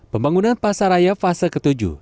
pembangunan pasaraya fase ketujuh